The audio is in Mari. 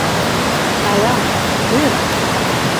— Налам... кӧм?